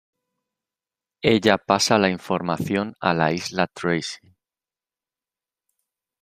Ella pasa la información a la Isla Tracy.